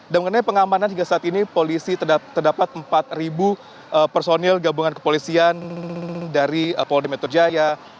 dan mengenai pengamanan hingga saat ini polisi terdapat empat personil gabungan kepolisian dari pol demetri jaya